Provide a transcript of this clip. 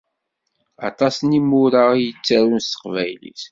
Aṭas n yimura i yettarun s Teqbaylit.